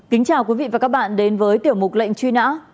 kính chào quý vị và các bạn đến với tiểu mục lệnh truy nã